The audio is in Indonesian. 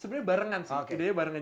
sebenarnya barengan sih ide ide barengan